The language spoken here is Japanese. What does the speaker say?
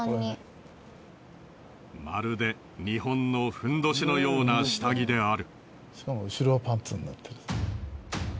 まるで日本のふんどしのような下着である。